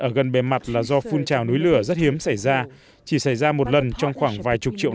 ở gần bề mặt là do phun trào núi lửa rất hiếm xảy ra chỉ xảy ra một lần trong khoảng vài chục triệu